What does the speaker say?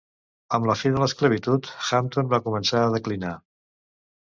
Amb la fi de l'esclavitud, Hampton va començar a declinar.